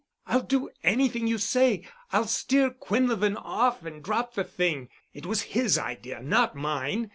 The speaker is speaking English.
I'll do anything you say. I'll steer Quinlevin off and drop the thing. It was his idea—not mine.